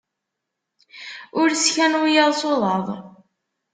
Ur sskan wiyaḍ s uḍaḍ.